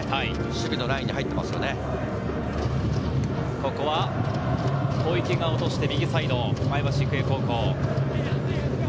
ここは小池が落として右サイド、前橋育英高校。